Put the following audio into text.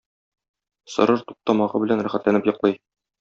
Сорыр тук тамагы белән рәхәтләнеп йоклый.